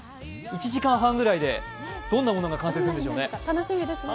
１時間半ぐらいで、どんなものが完成するんでしょうね。